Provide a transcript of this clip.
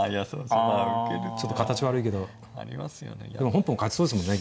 本譜も勝ちそうですもんね。